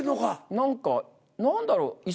何か何だろう忙。